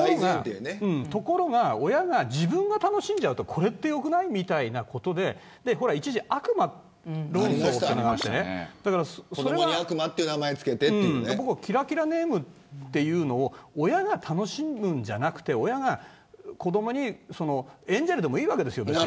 ところが親が自分が楽しんじゃうとこれって良くないみたいなことで一時、悪魔論争がありまして僕はキラキラネームというのは親が楽しむんじゃなくて別にエンジェルでもいいわけです。